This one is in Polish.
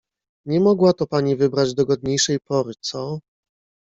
"Nie mogła to pani wybrać dogodniejszej pory, co?"